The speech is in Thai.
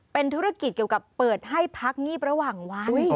เป็นธุรกิจเกี่ยวกับเปิดให้พักงีบระหว่างวัน